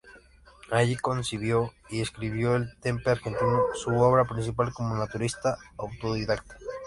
Allí concibió y escribió "El Tempe Argentino" su obra principal como naturalista autodidacta.